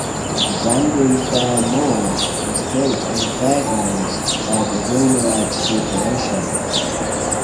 The Danbury Fair Mall was built on the fairgrounds by the Wilmorite Corporation.